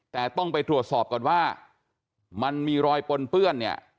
แต่ต้องไปตรวจสอบก่อนว่ามันมีรอยปนเปื้อนเนี่ย